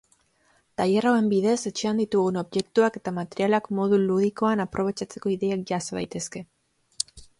Tailer hauen bidez etxean ditugun objektuak eta materialak modu ludikoan aprobetxatzeko ideiak jaso daitezke.